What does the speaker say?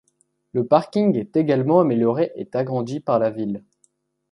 Le parking est également amélioré et agrandi par la ville.